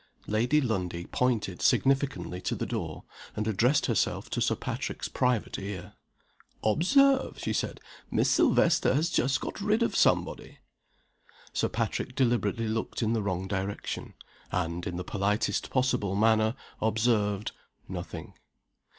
LADY LUNDIE pointed significantly to the door, and addressed herself to Sir Patrick's private ear. "Observe!" she said. "Miss Silvester has just got rid of somebody." Sir Patrick deliberately looked in the wrong direction, and (in the politest possible manner) observed nothing.